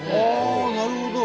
ああなるほど！